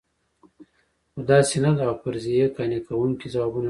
خو داسې نه ده او فرضیې قانع کوونکي ځوابونه نه لري.